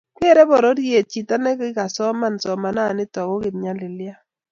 Kerei pororiet chito nikasoman somananito ko kopnyalilyat